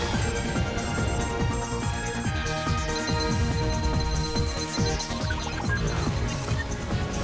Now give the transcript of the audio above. มีความสุขที่ยั่งยืนและมีความสุขที่ยั่งยืนและทีมงานลาไปก่อนสวัสดีค่ะ